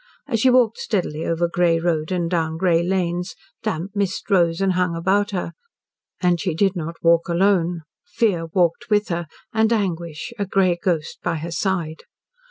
As she walked steadily over grey road and down grey lanes damp mist rose and hung about her. And she did not walk alone. Fear walked with her, and anguish, a grey ghost by her side.